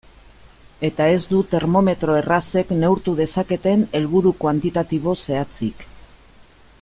Eta ez du termometro errazek neurtu dezaketen helburu kuantitatibo zehatzik.